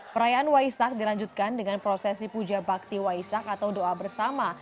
perayaan waisak dilanjutkan dengan prosesi puja bakti waisak atau doa bersama